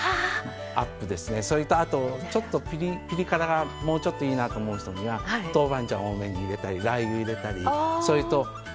それとあとちょっとピリ辛がもうちょっといいなと思う人には豆板醤多めに入れたりラー油入れたりそれとさんしょですね。